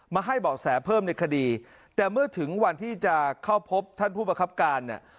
ให้เบาะแสเพิ่มในคดีแต่เมื่อถึงวันที่จะเข้าพบท่านผู้ประคับการเนี่ย